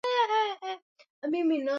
upungufu wa baraza la mawaziri aa